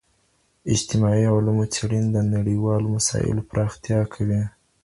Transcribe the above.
اجتماعي علومو څیړنې د نړیوالو مسایلو پراختیا کوي.